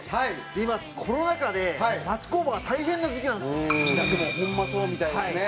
今コロナ禍で町工場が大変な時期なんですよね。